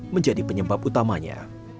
menjadi penyebab utamanya